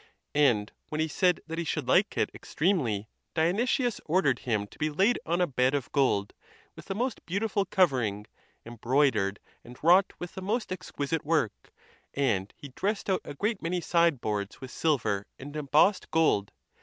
And when he said that he should like it extremely, Dionysius ordered him to be laid on a bed of gold with the most beautiful covering, embroidered and wrought with the most exquisite work, and he dressed out a great many sideboards with silver and embossed gold.